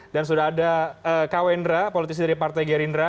dan sudah ada kawendra politisi dari partai gerindra